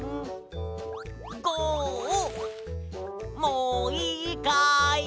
もういいかい？